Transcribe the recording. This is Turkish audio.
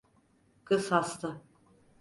Kız hasta.